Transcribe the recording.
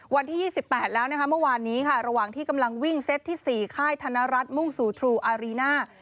วันที่๒๘แล้วนะคะเมื่อวานนี้ค่ะระหว่างที่กำลังวิ่งเซตที่๔ค่ายธนรัฐมุ่งสู่ทรูอารีน่า